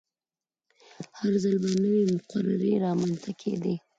هر ځل به نوې مقررې رامنځته کیدې.